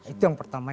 itu yang pertama